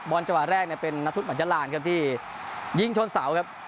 บอลจังหวะแรกเป็นนทุศมันจรรย์ที่ยิงชนเสาครับ